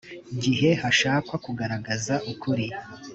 gihe hashakwa kugaragaza ukuri